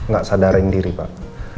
gak sadarin diri pak